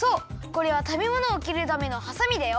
これはたべものをきるためのハサミだよ。